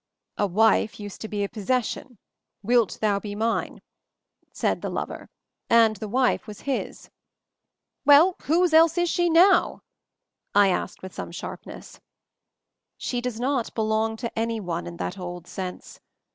"A 'wife' used to be a possession; 'wilt thou be mine?' said the lover, and the wife was c his.' " "Well — whose else is she now?" I asked with some sharpness. "She does not 'belong' to anyone in that old sense.